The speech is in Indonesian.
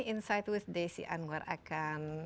insight with desi anwar akan